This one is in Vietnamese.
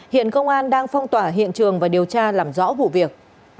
hiện công an đang phong tỏa hiện trường và điều tra làm rõ vụ việc